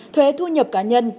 thuế thu nhập cá nhân